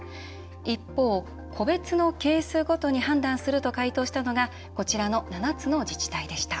一方、個別のケースごとに判断すると回答したのがこちらの７つの自治体でした。